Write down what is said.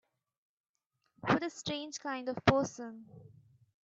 What a strange kind of person!